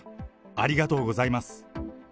ありがとうございます。